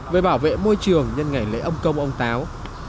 về bảo vệ môi trường nhân ngày lễ ông công ông táo